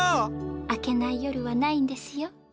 明けない夜はないんですよ。